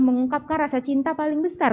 mengungkapkan rasa cinta paling besar